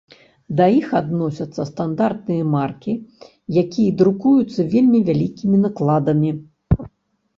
Да іх адносяцца стандартныя маркі, якія друкуюцца вельмі вялікімі накладамі.